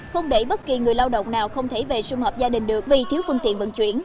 không để bất kỳ người lao động nào không thể về xung họp gia đình được vì thiếu phương tiện vận chuyển